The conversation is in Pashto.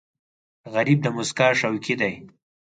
غریب د موسکا شوقي دی